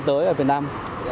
tới ở việt nam